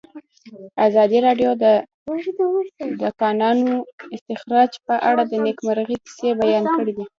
ازادي راډیو د د کانونو استخراج په اړه د نېکمرغۍ کیسې بیان کړې.